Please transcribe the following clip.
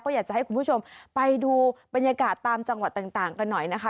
อยากจะให้คุณผู้ชมไปดูบรรยากาศตามจังหวัดต่างกันหน่อยนะคะ